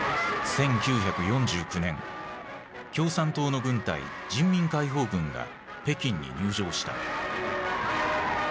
１９４９年共産党の軍隊・人民解放軍が北京に入城した。